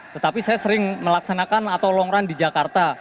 tetapi saya sering melaksanakan atau long run di jakarta